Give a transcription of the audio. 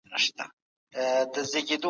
جهاد د باطل د جرړو د ایستلو وسیله ده.